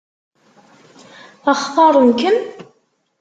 Xtaṛen-kem?